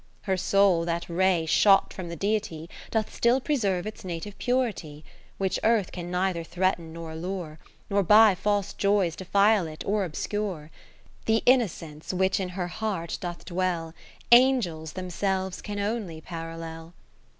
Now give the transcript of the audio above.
Her soul, that ray shot from the Deity, Doth still preserve its native purity ; Which earth can neither threaten nor allure, Nor by false joys defile it, or ob scure. The innocence which in her heart doth dwell, Angels themselves can only parallel.